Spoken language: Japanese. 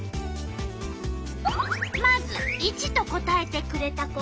まず①と答えてくれた子。